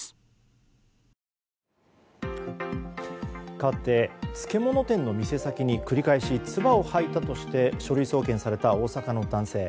かわって漬物店の店先に、繰り返しつばを吐いたとして書類送検された大阪の男性。